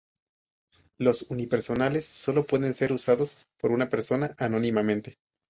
Los unipersonales solo pueden ser usados por una persona anónimamente.